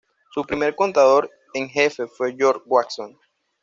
Su primer contador en jefe fue George Watson.